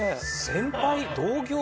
先輩。